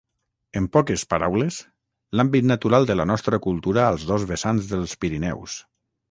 En poques paraules, l'àmbit natural de la nostra cultura als dos vessants dels Pirineus.